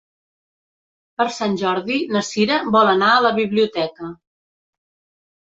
Per Sant Jordi na Sira vol anar a la biblioteca.